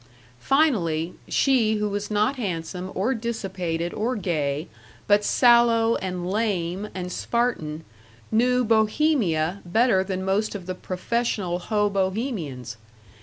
Finally, she who was not handsome or dissipated or gay, but sallow and lame and Spartan, knew "Bohemia" better than most of the professional Hobohemians.